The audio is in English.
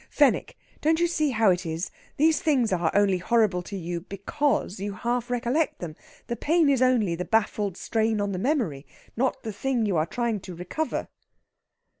"Fenwick! don't you see how it is? These things are only horrible to you because you half recollect them. The pain is only the baffled strain on the memory, not the thing you are trying to recover."